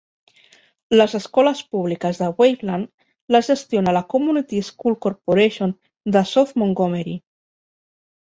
Les escoles públiques de Waveland les gestiona la Community School Corporation de South Montgomery.